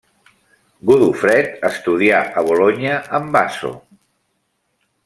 Godofred estudià a Bolonya amb Azo.